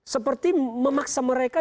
seperti memaksa mereka